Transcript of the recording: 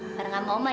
bareng sama oma ya